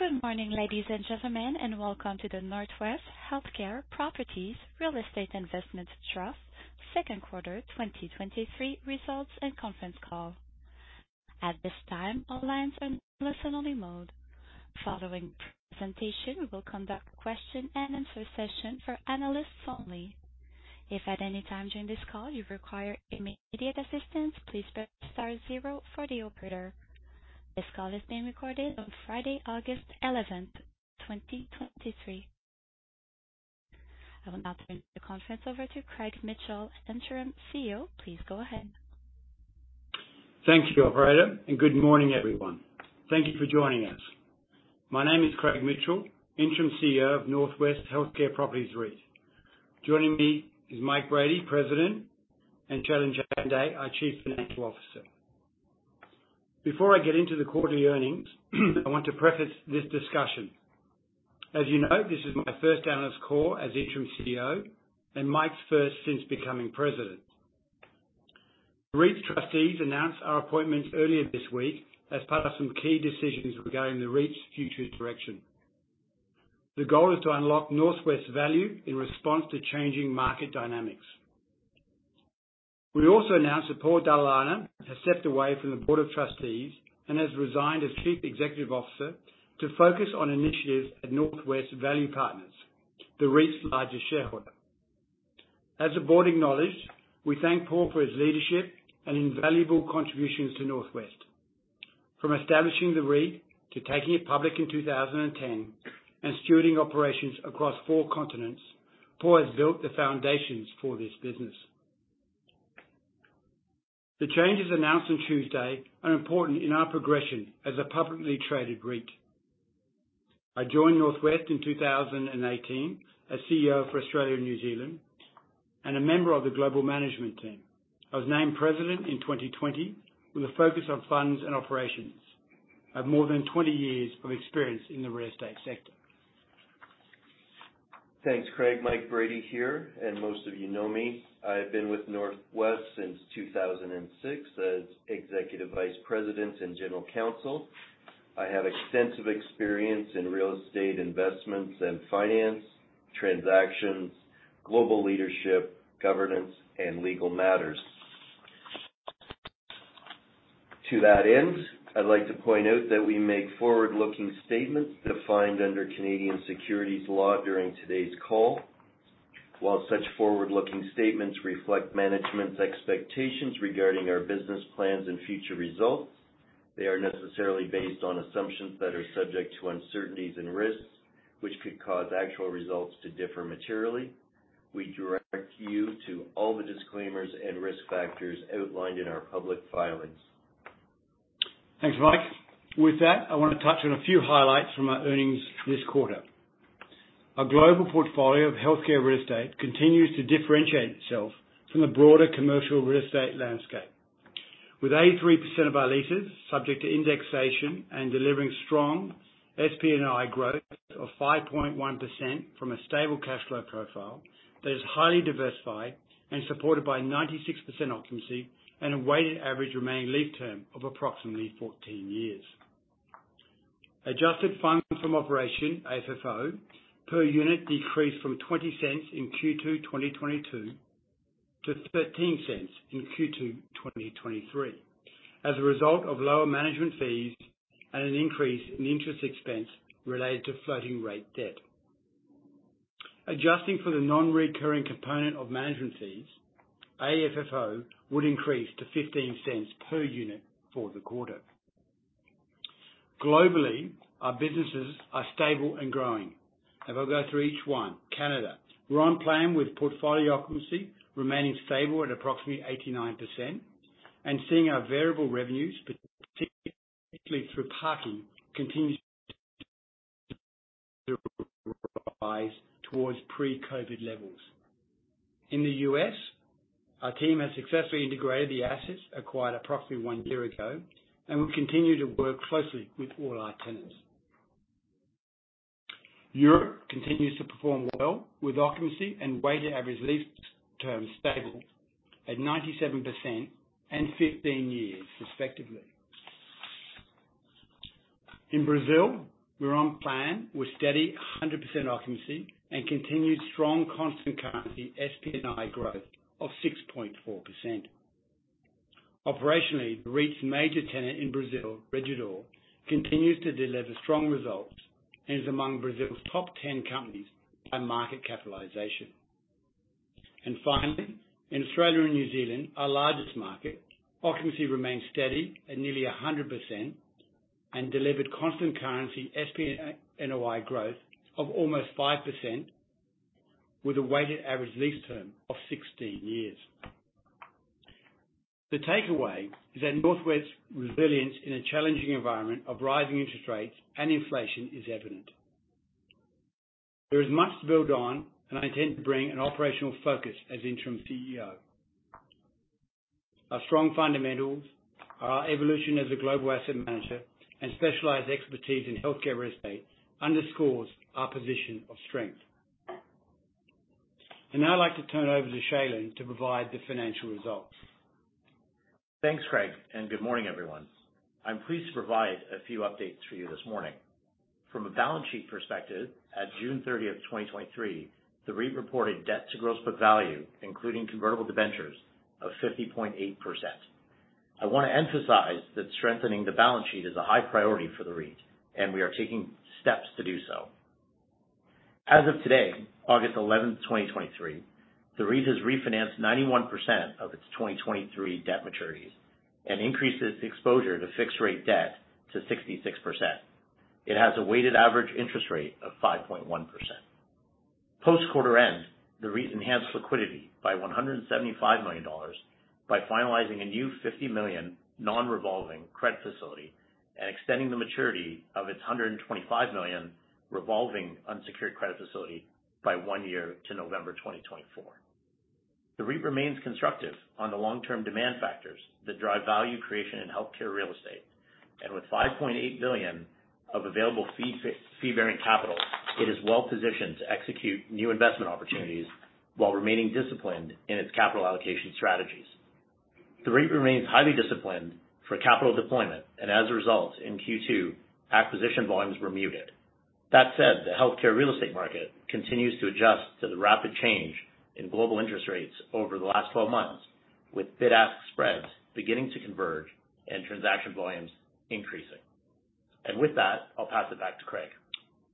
Good morning, ladies and gentlemen, and welcome to the NorthWest Healthcare Properties Real Estate Investment Trust Second Quarter 2023 Results and Conference Call. At this time, all lines are in listen-only mode. Following the presentation, we will conduct a question-and-answer session for analysts only. If at any time during this call you require immediate assistance, please press star zero for the operator. This call is being recorded on Friday, August 11th, 2023. I will now turn the conference over to Craig Mitchell, Interim CEO. Please go ahead. Thank you, operator, good morning, everyone. Thank you for joining us. My name is Craig Mitchell, Interim CEO of NorthWest Healthcare Properties REIT. Joining me is Mike Brady, President, Shailen Chande, our Chief Financial Officer. Before I get into the quarterly earnings, I want to preface this discussion. As you know, this is my first analyst call as interim CEO and Mike's first since becoming president. REIT's trustees announced our appointments earlier this week as part of some key decisions regarding the REIT's future direction. The goal is to unlock NorthWest value in response to changing market dynamics. We also announced that Paul Dalla Lana has stepped away from the board of trustees and has resigned as Chief Executive Officer to focus on initiatives at Northwest Value Partners, the REIT's largest shareholder. As the board acknowledged, we thank Paul for his leadership and invaluable contributions to NorthWest. From establishing the REIT to taking it public in 2010 and stewarding operations across four continents, Paul has built the foundations for this business. The changes announced on Tuesday are important in our progression as a publicly traded REIT. I joined NorthWest in 2018 as CEO for Australia and New Zealand, and a member of the global management team. I was named President in 2020, with a focus on funds and operations. I have more than 20 years of experience in the real estate sector. Thanks, Craig. Mike Brady here. Most of you know me. I have been with NorthWest since 2006 as Executive Vice President and General Counsel. I have extensive experience in real estate investments and finance, transactions, global leadership, governance, and legal matters. To that end, I'd like to point out that we make forward-looking statements defined under Canadian securities law during today's call. While such forward-looking statements reflect management's expectations regarding our business plans and future results, they are necessarily based on assumptions that are subject to uncertainties and risks, which could cause actual results to differ materially. We direct you to all the disclaimers and risk factors outlined in our public filings. Thanks, Mike. With that, I want to touch on a few highlights from our earnings this quarter. Our global portfolio of healthcare real estate continues to differentiate itself from the broader commercial real estate landscape. With 83% of our leases subject to indexation and delivering strong SPNOI growth of 5.1% from a stable cash flow profile that is highly diversified and supported by 96% occupancy and a weighted average remaining lease term of approximately 14 years. Adjusted Funds From Operations, AFFO, per unit decreased from $0.20 in Q2 2022 to $0.13 in Q2 2023, as a result of lower management fees and an increase in interest expense related to floating rate debt. Adjusting for the non-reoccurring component of management fees, AFFO would increase to $0.15 per unit for the quarter. Globally, our businesses are stable and growing, and I'll go through each one. Canada, we're on plan with portfolio occupancy remaining stable at approximately 89% and seeing our variable revenues, particularly through parking, continue to rise towards pre-COVID levels. In the U.S., our team has successfully integrated the assets acquired approximately one year ago, and we continue to work closely with all our tenants. Europe continues to perform well, with occupancy and weighted average lease terms stable at 97% and 15 years respectively. In Brazil, we're on plan with steady 100% occupancy and continued strong constant currency SPNOI growth of 6.4%. Operationally, the REIT's major tenant in Brazil, Rede D'Or, continues to deliver strong results and is among Brazil's top 10 companies by market capitalization. Finally, in Australia and New Zealand, our largest market, occupancy remains steady at nearly 100% and delivered constant currency SPNOI growth of almost 5% with a weighted average lease term of 16 years. The takeaway is that NorthWest's resilience in a challenging environment of rising interest rates and inflation is evident. There is much to build on, and I intend to bring an operational focus as interim CEO. Our strong fundamentals, our evolution as a global asset manager, and specialized expertise in healthcare real estate underscores our position of strength. Now I'd like to turn it over to Shailen to provide the financial results. Thanks, Craig, and good morning, everyone. I'm pleased to provide a few updates for you this morning. From a balance sheet perspective, at June thirtieth, 2023, the REIT reported Debt to Gross Book Value, including convertible debentures of 50.8%. I want to emphasize that strengthening the balance sheet is a high priority for the REIT, and we are taking steps to do so. As of today, August eleventh, 2023, the REIT has refinanced 91% of its 2023 debt maturities and increased its exposure to fixed rate debt to 66%. It has a weighted average interest rate of 5.1%.Post quarter end, the REIT enhanced liquidity by 175 million dollars by finalizing a new 50 million Non-revolving credit facility and extending the maturity of its 125 million Revolving unsecured credit facility by one year to November 2024. The REIT remains constructive on the long-term demand factors that drive value creation in healthcare real estate, and with 5.8 billion of available fee, Fee-bearing capital, it is well positioned to execute new investment opportunities while remaining disciplined in its capital allocation strategies. The REIT remains highly disciplined for capital deployment, and as a result, in Q2, acquisition volumes were muted. That said, the healthcare real estate market continues to adjust to the rapid change in global interest rates over the last 12 months, with Bid-ask spreads beginning to converge and transaction volumes increasing. With that, I'll pass it back to Craig.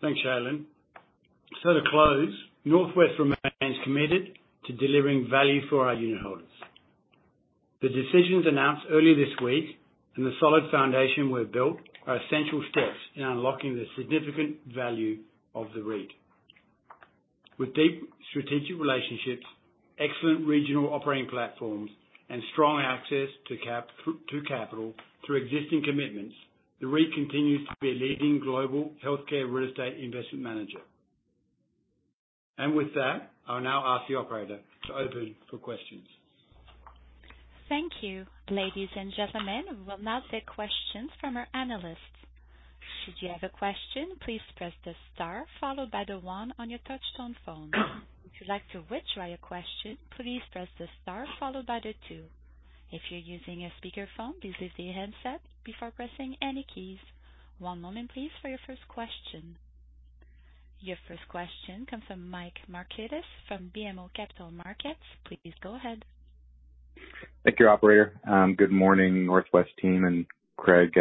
Thanks, Shailen. To close, NorthWest remains committed to delivering value for our unitholders. The decisions announced earlier this week and the solid foundation we've built are essential steps in unlocking the significant value of the REIT. With deep strategic relationships, excellent regional operating platforms, and strong access to capital through existing commitments, the REIT continues to be a leading global healthcare real estate investment manager. With that, I'll now ask the operator to open for questions. Thank you. Ladies and gentlemen, we will now take questions from our analysts. Should you have a question, please press the star followed by the one on your touchtone phone. If you'd like to withdraw your question, please press the star followed by the two. If you're using a speakerphone, please leave your handset before pressing any keys. One moment, please, for your first question. Your first question comes from Mike Markidis from BMO Capital Markets. Please go ahead. Thank you, operator. good morning, NorthWest team, and Craig,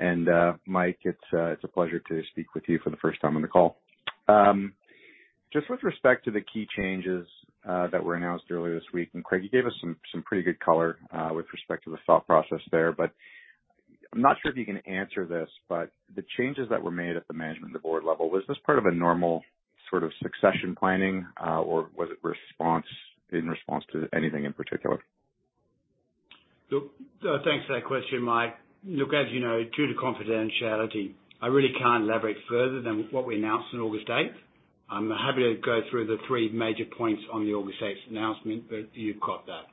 and Mike, it's, it's a pleasure to speak with you for the first time on the call. just with respect to the key changes, that were announced earlier this week, and Craig, you gave us some, some pretty good color, with respect to the thought process there, but I'm not sure if you can answer this, but the changes that were made at the management and the board level, was this part of a normal sort of succession planning, or was it response, in response to anything in particular? Look, thanks for that question, Mike. Look, as you know, due to confidentiality, I really can't elaborate further than what we announced on August 8th. I'm happy to go through the three major points on the August 8th announcement, but you've got that.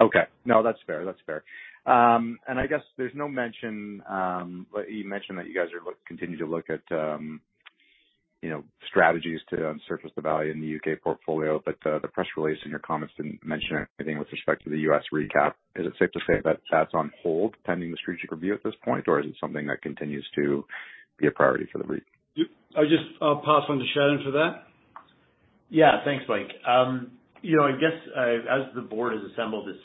Okay. No, that's fair, that's fair. I guess there's no mention, but you mentioned that you guys are continuing to look at, you know, strategies to surface the value in the UK portfolio. The press release in your comments didn't mention anything with respect to the US recap. Is it safe to say that that's on hold pending the strategic review at this point, or is it something that continues to be a priority for the REIT? Yep. I just, I'll pass on to Shailen for that. Yeah. Thanks, Mike. You know, I guess, as the board has assembled its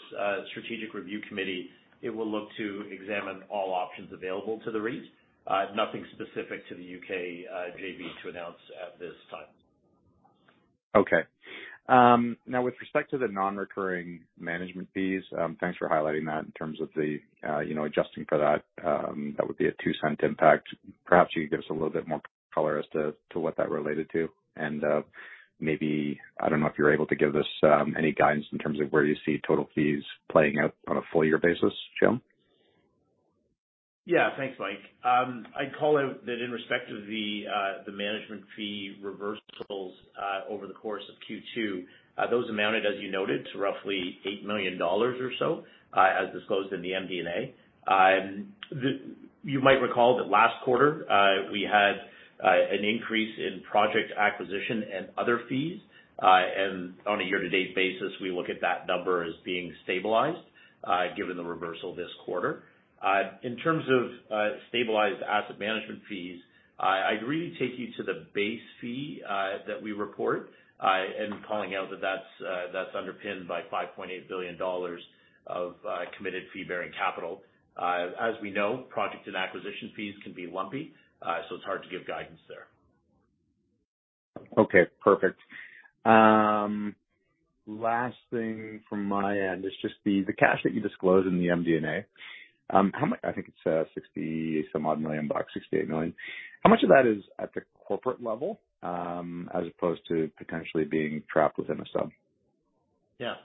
strategic review committee, it will look to examine all options available to the REIT. Nothing specific to the UK JV to announce at this time. Okay. now with respect to the non-recurring management fees, thanks for highlighting that in terms of the, you know, adjusting for that, that would be a 0.02 impact. Perhaps you could give us a little bit more color as to, to what that related to. Maybe, I don't know if you're able to give us any guidance in terms of where you see total fees playing out on a full year basis, Shailen? Yeah. Thanks, Mike. I'd call out that in respect to the management fee reversals over the course of Q2, those amounted, as you noted, to roughly $8 million or so, as disclosed in the MD&A. You might recall that last quarter we had an increase in project acquisition and other fees. On a year-to-date basis, we look at that number as being stabilized given the reversal this quarter. In terms of stabilized asset management fees, I, I'd really take you to the base fee that we report, and calling out that that's that's underpinned by $5.8 billion of committed fee-bearing capital. As we know, project and acquisition fees can be lumpy, so it's hard to give guidance there. Okay, perfect. Last thing from my end is just the, the cash that you disclosed in the MD&A. How much-- I think it's, 60 million some odd million bucks, 68 million. How much of that is at the corporate level, as opposed to potentially being trapped within a sub? Yeah.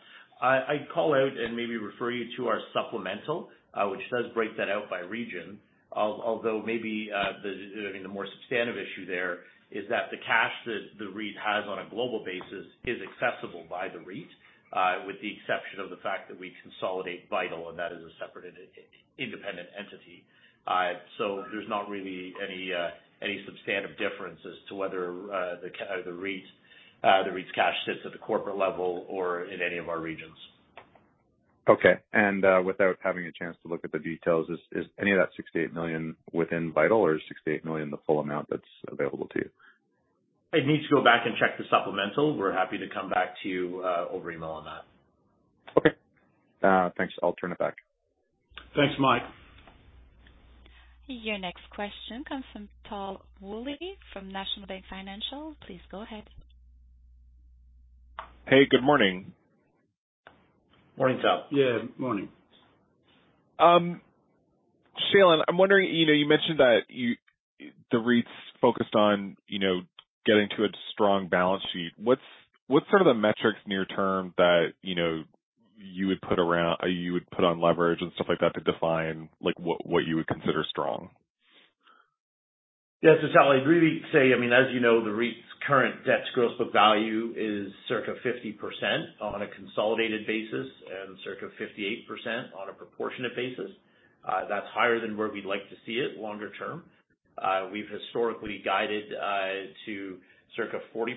I, I'd call out and maybe refer you to our supplemental, which does break that out by region. Although maybe, I mean, the more substantive issue there is that the cash that the REIT has on a global basis is accessible by the REIT, with the exception of the fact that we consolidate Vital, and that is a separate and independent entity. There's not really any, any substantive difference as to whether the REIT, the REIT's cash sits at the corporate level or in any of our regions. Okay. without having a chance to look at the details, is, is any of that 68 million within Vital or is 68 million the full amount that's available to you? I'd need to go back and check the supplemental. We're happy to come back to you, over email on that. Okay. Thanks. I'll turn it back. Thanks, Mike. Your next question comes from Tal Woolley from National Bank Financial. Please go ahead. Hey, good morning. Morning, Tal. Yeah, morning. Shailen, I'm wondering, you know, you mentioned that the REIT's focused on, you know, getting to a strong balance sheet. What's, what's sort of the metrics near term that, you know, you would put around, you would put on leverage and stuff like that to define, like, what, what you would consider strong? Yeah. Tal, I'd really say, I mean, as you know, the REIT's current Debt to Gross Book Value is circa 50% on a consolidated basis and circa 58% on a proportionate basis. That's higher than where we'd like to see it longer term. We've historically guided to circa 40%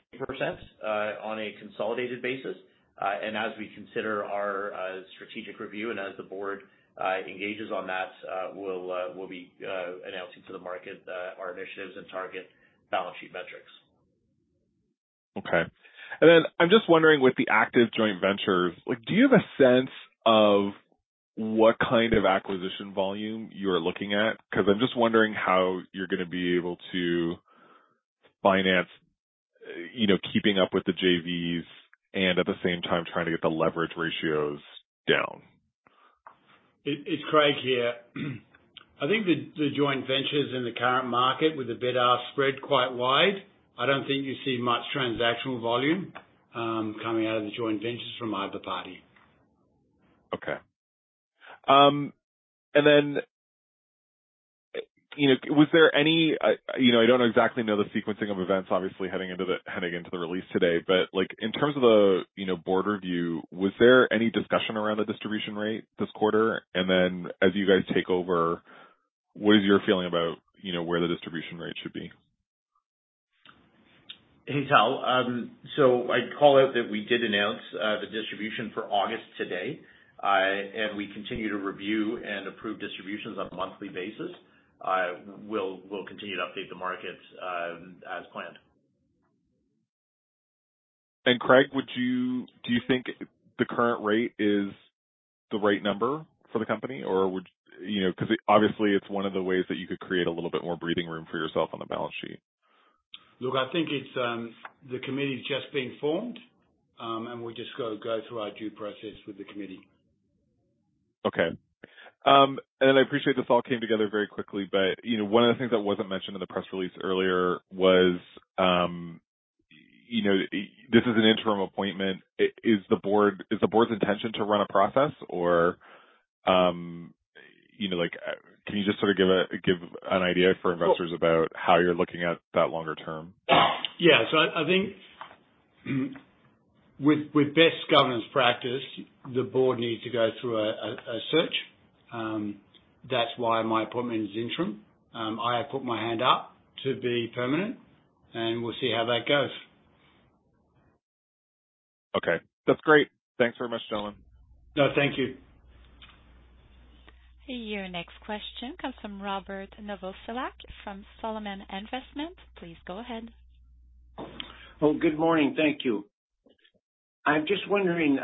on a consolidated basis. As we consider our strategic review and as the board engages on that, we'll be announcing to the market our initiatives and target balance sheet metrics. Okay. Then I'm just wondering, with the active joint ventures, like, do you have a sense of what kind of acquisition volume you are looking at? Because I'm just wondering how you're gonna be able to finance, you know, keeping up with the JVs and at the same time trying to get the leverage ratios down. It's Craig here. I think the, the joint ventures in the current market with the bid-ask spread quite wide, I don't think you see much transactional volume, coming out of the joint ventures from either party. Okay. And then, you know, was there any... You know, I don't exactly know the sequencing of events, obviously, heading into the, heading into the release today, but, like, in terms of the, you know, board review, was there any discussion around the distribution rate this quarter? Then as you guys take over, what is your feeling about, you know, where the distribution rate should be? Hey, Tal. I'd call out that we did announce the distribution for August today. We continue to review and approve distributions on a monthly basis. We'll, we'll continue to update the market as planned. Craig, do you think the current rate is the right number for the company, or You know, because, obviously, it's one of the ways that you could create a little bit more breathing room for yourself on the balance sheet. Look, I think it's, the committee's just been formed, and we've just got to go through our due process with the committee. Okay. I appreciate this all came together very quickly, but, you know, one of the things that wasn't mentioned in the press release earlier was, you know, this is an interim appointment. Is the board's intention to run a process or, you know, like, can you just sort of give a, give an idea for investors about how you're looking at that longer term? Yeah. I, I think, with, with best governance practice, the board needs to go through a, a, a search. That's why my appointment is interim. I have put my hand up to be permanent, and we'll see how that goes. Okay. That's great. Thanks very much, gentlemen. No, thank you. Your next question comes from Robert Novoselac from Solomon Investment. Please go ahead. Well, good morning. Thank you. I'm just wondering,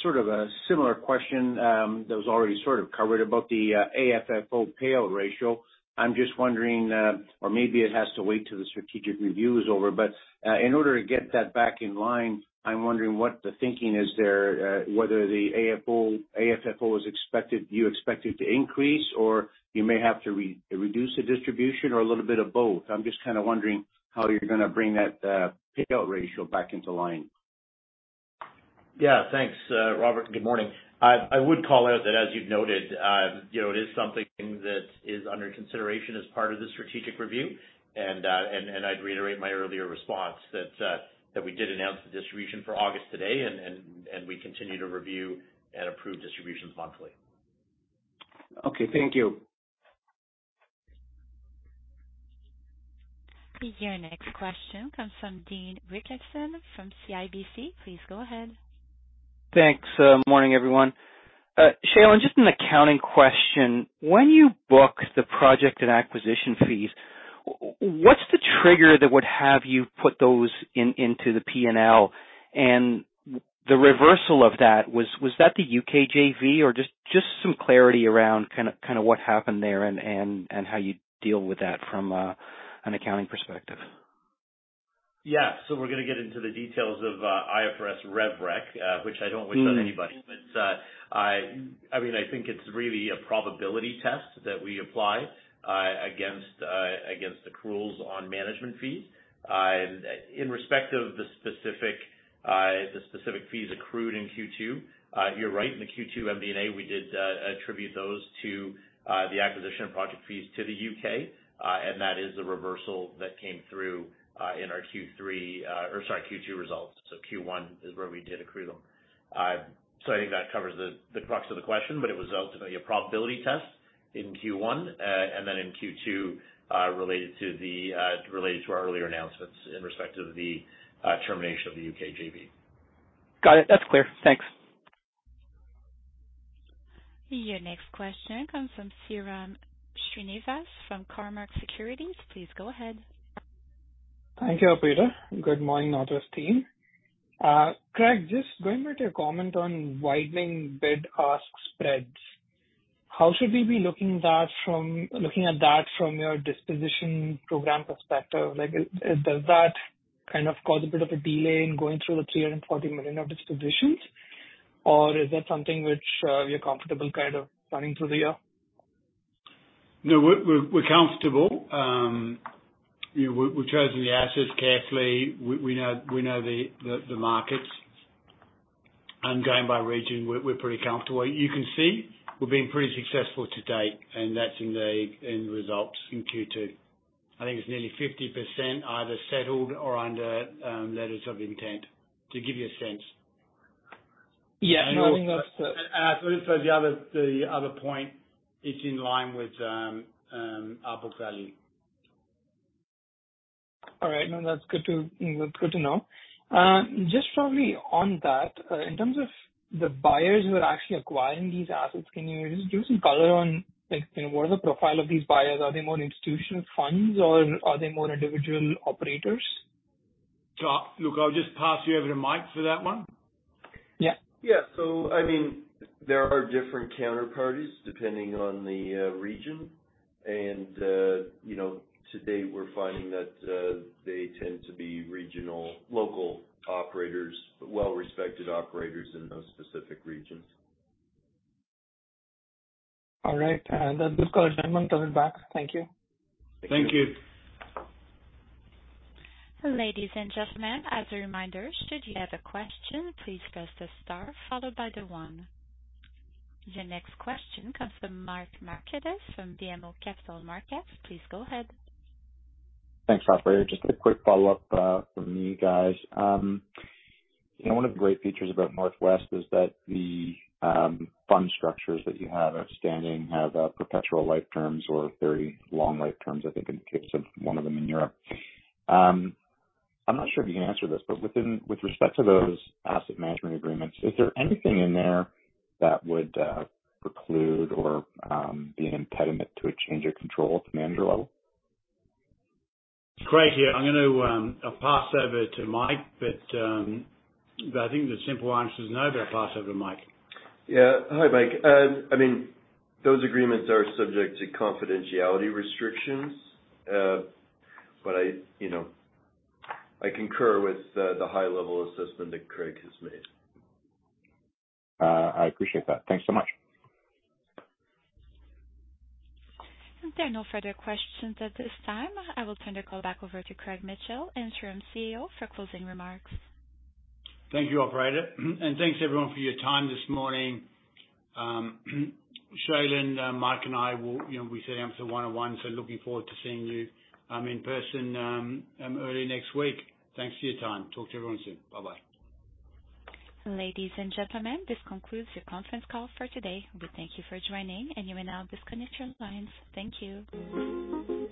sort of a similar question, that was already sort of covered about the AFFO payout ratio. I'm just wondering, or maybe it has to wait till the strategic review is over, in order to get that back in line, I'm wondering what the thinking is there, whether the AFFO is expected, you expect it to increase or you may have to reduce the distribution or a little bit of both. I'm just kind of wondering how you're gonna bring that payout ratio back into line? Yeah. Thanks, Robert. Good morning. I, I would call out that, as you've noted, you know, it is something that is under consideration as part of the strategic review. I'd reiterate my earlier response that we did announce the distribution for August today, and we continue to review and approve distributions monthly. Okay. Thank you. Your next question comes from Dean Wilkinson from CIBC Capital Markets. Please go ahead. Thanks. Morning, everyone. Shailen, just an accounting question. When you book the project and acquisition fees, what's the trigger that would have you put those in, into the P&L? The reversal of that, was that the UK JV? Just some clarity around kind of what happened there and how you deal with that from an accounting perspective? Yeah. We're gonna get into the details of IFRS Rev rec, which I don't wish on anybody. Mm-hmm. I mean, I think it's really a probability test that we apply against accruals on management fees. In respect of the specific, the specific fees accrued in Q2, you're right. In the Q2 MD&A, we did attribute those to the acquisition of project fees to the U.K., and that is the reversal that came through in our Q3, or sorry, Q2 results. Q1 is where we did accrue them. I think that covers the crux of the question, but it was ultimately a probability test.in Q1, and then in Q2, related to the, related to our earlier announcements in respect to the, termination of the UK JV. Got it. That's clear. Thanks. Your next question comes from Sairam Srinivas from Cormark Securities. Please go ahead. Thank you, operator. Good morning, NorthWest team. Craig, just going back to your comment on widening bid-ask spreads, how should we be looking at that from your disposition program perspective? Like, does that kind of cause a bit of a delay in going through the $340 million of dispositions, or is that something which you're comfortable kind of planning through the year? No, we're, we're, we're comfortable. You know, we, we've chosen the assets carefully. We, we know, we know the, the, the markets, and going by region, we're, we're pretty comfortable. You can see we've been pretty successful to date, and that's in the end results in Q2. I think it's nearly 50% either settled or under Letters of Intent, to give you a sense. Yeah, no, I think that's the- I would say the other, the other point, it's in line with our book value. All right, no, that's good to, that's good to know. Just probably on that, in terms of the buyers who are actually acquiring these assets, can you just give some color on, like, you know, what are the profile of these buyers? Are they more institutional funds, or are they more individual operators? look, I'll just pass you over to Mike for that one. Yeah. Yeah. I mean, there are different counterparties depending on the region. You know, to date, we're finding that they tend to be regional, local operators, but well-respected operators in those specific regions. All right. That's good, Mike. I'll be back. Thank you. Thank you. Ladies and gentlemen, as a reminder, should you have a question, please press the star followed by the one. The next question comes from Michael Markidis from BMO Capital Markets. Please go ahead. Thanks, operator. Just a quick follow-up from me, guys. You know, one of the great features about NorthWest is that the fund structures that you have outstanding have perpetual life terms or very long life terms, I think, in the case of one of them in Europe. I'm not sure if you can answer this, but with respect to those asset management agreements, is there anything in there that would preclude or be an impediment to a change of control at the manager level? Craig here. I'm going to, I'll pass over to Mike, but, but I think the simple answer is no, but I'll pass over to Mike. Yeah. Hi, Mike. I mean, those agreements are subject to confidentiality restrictions, but I, you know, I concur with the, the high level assessment that Craig has made. I appreciate that. Thanks so much. There are no further questions at this time. I will turn the call back over to Craig Mitchell, Interim CEO, for closing remarks. Thank you, operator. Thanks, everyone, for your time this morning. Shailen, Mike and I will, you know, be setting up the one-on-one. Looking forward to seeing you, in person, early next week. Thanks for your time. Talk to everyone soon. Bye-bye. Ladies and gentlemen, this concludes the conference call for today. We thank you for joining, and you may now disconnect your lines. Thank you.